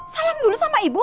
salam dulu sama ibu